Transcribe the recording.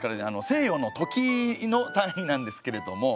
西洋の時の単位なんですけれども。